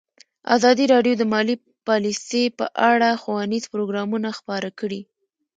ازادي راډیو د مالي پالیسي په اړه ښوونیز پروګرامونه خپاره کړي.